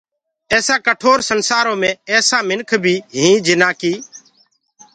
ايسآ ڪٺور سنسآرو ايسآ مِنک بي هيٚنٚ جنآ ڪي